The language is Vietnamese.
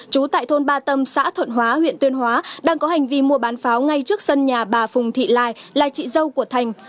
trú tại thôn ba tâm xã thuận hóa huyện tuyên hóa đang có hành vi mua bán pháo ngay trước sân nhà bà phùng thị lai là chị dâu của thành